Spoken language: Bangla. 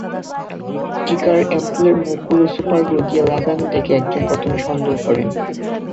টিকার অ্যাম্পুলের মুখগুলো সুপার গ্লু দিয়ে লাগানো দেখে একজন প্রথমে সন্দেহ করেন।